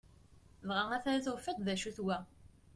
Dɣa atan tufiḍ-d acu-t wa!